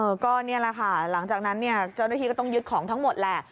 ก็นี่แหละค่ะหลังจากนั้นเนี่ยเจ้าหน้าที่ก็ต้องยึดของทั้งหมดแหละ